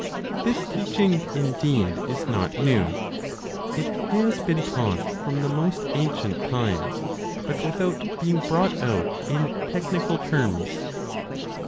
This teaching, indeed, is not new; it has been taught from the most ancient times, but without being brought out in technical terms.